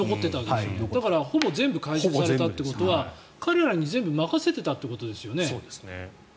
ほぼ全て回収されたということは彼らに全部任せてたってことですよね。